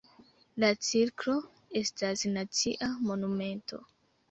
La cirklo estas nacia monumento.